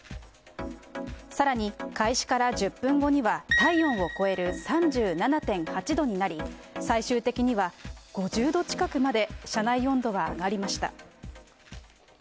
さらに開始から１０分後には、体温を超える３７．８度になり、最終的には５０度近くまで車内温度は上がりました。